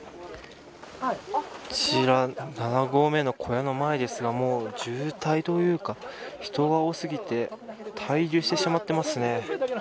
こちら７合目の小屋の前ですが渋滞というか、人が多過ぎて滞留してしまってますね。